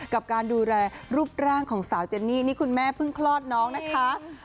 กับการดูแลรูปร่างของสาวเจนนี่นี่คุณแม่เพิ่งคลอดน้องนะคะ